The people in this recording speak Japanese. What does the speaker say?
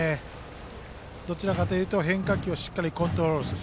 どちらかというと変化球をしっかりコントロールする。